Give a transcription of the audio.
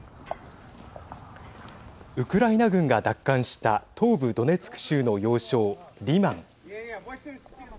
ウクライナ軍が奪還した東部ドネツク州の要衝リマン。